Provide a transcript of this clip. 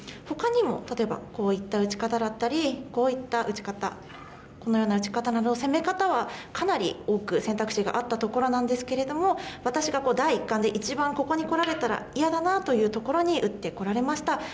ほかにも例えばこういった打ち方だったりこういった打ち方このような打ち方など攻め方はかなり多く選択肢があったところなんですけれども私が第一感で一番ここにこられたら嫌だなというところに打ってこられました。